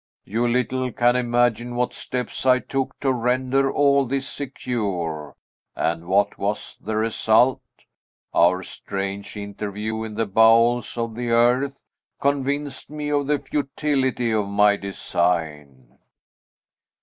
You little can imagine what steps I took to render all this secure; and what was the result? Our strange interview in the bowels of the earth convinced me of the futility of my design."